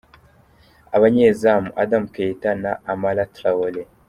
Abazanyemu: Adama Keita, na Amara Traore.